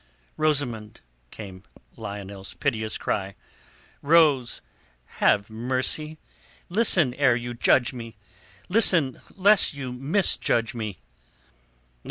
"Rosamund!" came Lionel's piteous cry. "Rose! Have mercy! Listen ere you judge me. Listen lest you misjudge me!"